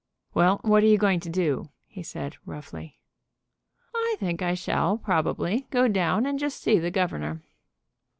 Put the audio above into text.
"Well, what are you going to do?" he said, roughly. "I think I shall, probably, go down and just see the governor."